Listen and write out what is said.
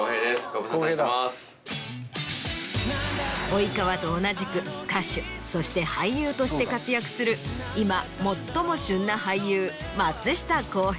及川と同じく歌手そして俳優として活躍する今最も旬な。